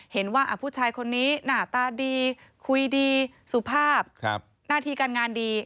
เห็นว่าผู้ชายคนนี้หน้าตาดีคุยดีสุภาพหน้าที่การงานดี